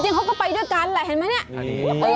จริงเขาก็ไปด้วยกันแหละทำไมนี่